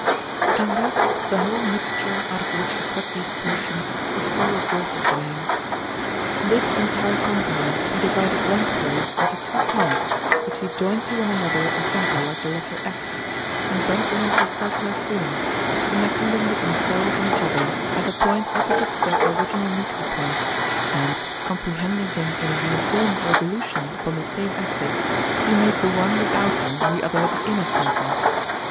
And thus the whole mixture out of which he cut these portions was all exhausted by him. This entire compound he divided lengthways into two parts, which he joined to one another at the centre like the letter X, and bent them into a circular form, connecting them with themselves and each other at the point opposite to their original meeting point; and, comprehending them in a uniform revolution upon the same axis, he made the one the outer and the other the inner circle.